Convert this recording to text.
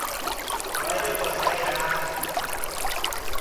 ハワイ旅行したいな。